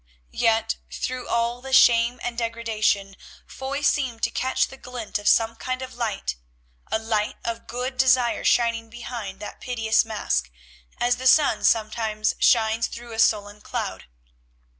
Yet, through all the shame and degradation, Foy seemed to catch the glint of some kind of light, a light of good desire shining behind that piteous mask, as the sun sometimes shines through a sullen cloud.